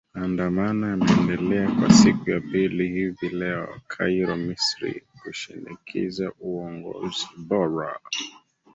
maandamano yameendelea kwa siku ya pili hivi leo cairo misri kushinikiza uongozi bora